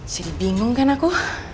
jadi bingung kan aku